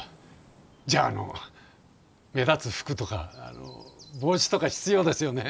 じゃああの目立つ服とかあの帽子とか必要ですよね。